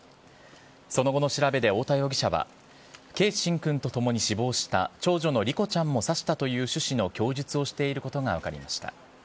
その後の調べで太田容疑者は、継真君とともに死亡した長女の梨心ちゃんも刺したという趣旨の供述をしていることが分かりました。